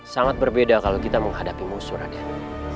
sangat berbeda kalau kita menghadapi musuh rakyat